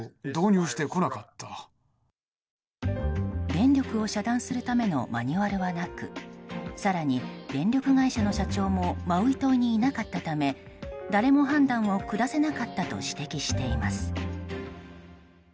電力を遮断するためのマニュアルはなく更に電力会社の社長もマウイ島にいなかったため誰も判断を下せなかったと指摘しています。